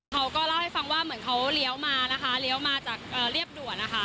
เขาก็เล่าให้ฟังว่าเหมือนเขาเลี้ยวมานะคะเลี้ยวมาจากเรียบด่วนนะคะ